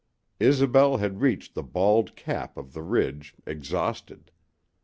Isobel had reached the bald cap of the ridge exhausted.